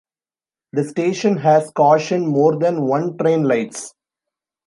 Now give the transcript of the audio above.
The station has Caution More Than One Train lights.